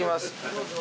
どうぞ。